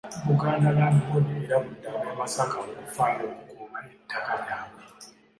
Buganda Land Board erabudde ab'e Masaka okufaayo okukuuma ettaka lyabwe.